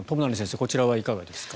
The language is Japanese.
こちらはいかがですか？